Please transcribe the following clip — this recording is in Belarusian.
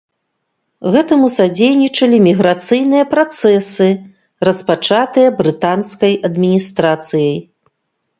Гэтаму садзейнічалі міграцыйныя працэсы, распачатыя брытанскай адміністрацыяй.